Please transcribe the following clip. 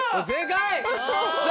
正解！